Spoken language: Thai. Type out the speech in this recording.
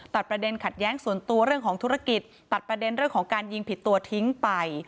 ตัดประเด็นขัดแย้งส่วนตัวเรื่องของธุรกิจตัดประเด็นเรื่องของการยิงผิดตัวทิ้งไป